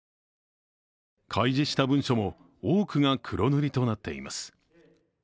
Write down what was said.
開示した文書も多くが黒塗りとなっています。